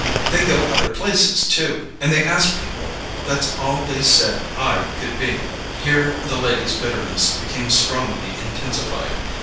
They go other places, too; and they ask people. That's all they said I could be!" Here the lady's bitterness became strongly intensified.